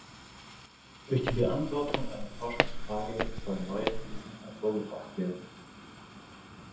Durch die Beantwortung einer Forschungsfrage soll neues Wissen hervorgebracht werden.